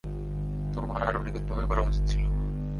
তোমার আরো নিখুঁতভাবে করা উচিত ছিল।